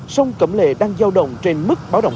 sông cẩm lệ đang giao động trên mức báo động